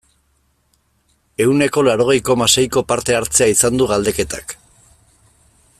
Ehuneko laurogei, koma, seiko parte-hartzea izan du galdeketak.